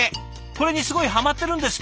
これにすごいハマってるんですって。